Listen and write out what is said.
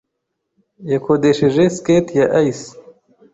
yakodesheje skate ya ice.